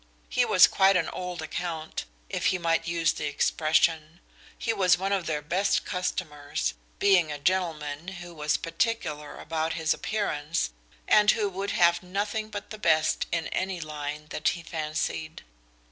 He was quite an old account, if he might use the expression. He was one of their best customers, being a gentleman who was particular about his appearance and who would have nothing but the best in any line that he fancied.